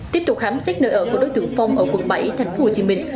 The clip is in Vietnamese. tiếp tục khám xét nơi ở của đối tượng phong ở quận bảy thành phố hồ chí minh